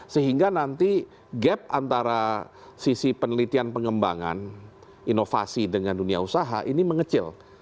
sehingga nanti gap antara sisi penelitian pengembangan inovasi dengan dunia usaha ini mengecil